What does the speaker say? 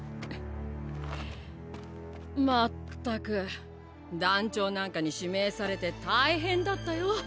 まったく団長なんかに指名されて大変だったよ。